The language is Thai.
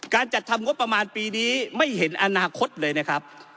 การจัดทำงบประมาณปีนี้ไม่เห็นอนาคตเลยนะครับ